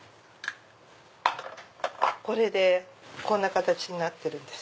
これでこんな形になってるんです。